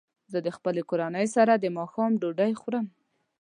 زه د خپلې کورنۍ سره د ماښام ډوډۍ خورم.